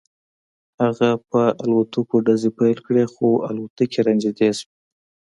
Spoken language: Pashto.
هغه په الوتکو ډزې پیل کړې خو الوتکې رانږدې شوې